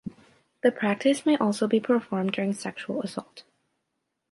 The practice may also be performed during sexual assault.